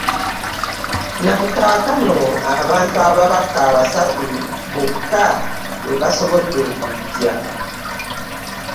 Ne ku kano abantu ababaka basatu bokka be basobodde okujja